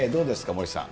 森さん。